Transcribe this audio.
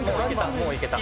もういけた。